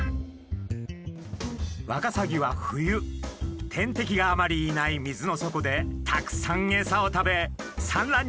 ワカサギは冬天敵があまりいない水の底でたくさんエサを食べさん